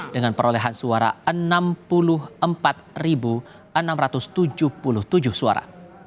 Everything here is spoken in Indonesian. dengan perolehan suara enam puluh empat enam ratus tujuh puluh tujuh suara